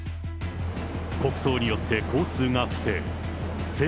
国葬によって交通が規制。